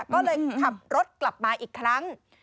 ก็เลยขับรถกลับมาอีกครั้ง